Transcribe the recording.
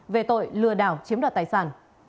về tội lừa đảo chiếm đoạt tài sản